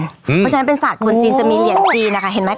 เพราะฉะนั้นเป็นศาสตร์คนจีนจะมีเหรียญจีนนะคะเห็นไหม